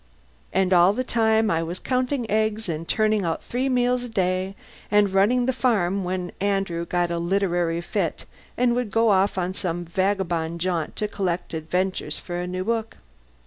And all the time I was counting eggs and turning out three meals a day, and running the farm when Andrew got a literary fit and would go off on some vagabond jaunt to collect adventures for a new book.